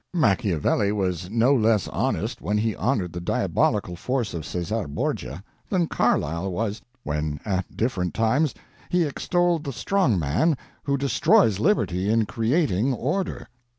Machiavelli was no less honest when he honored the diabolical force of Caesar Borgia than Carlyle was when at different times he extolled the strong man who destroys liberty in creating order.